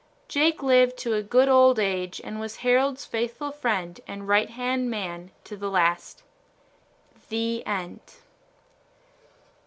Jake lived to a good old age and was Harold's faithful friend and right hand man to the last. THE END.